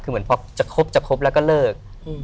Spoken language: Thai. คือเหมือนพอจะคบจะครบแล้วก็เลิก